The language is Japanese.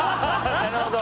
なるほど。